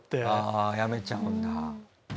ああ辞めちゃうんだ。